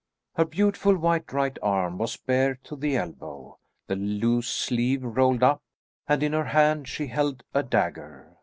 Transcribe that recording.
Her beautiful white right arm was bare to the elbow, the loose sleeve rolled up, and in her hand she held a dagger.